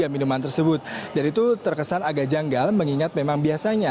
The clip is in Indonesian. minuman tersebut dan itu terkesan agak janggal mengingat memang biasanya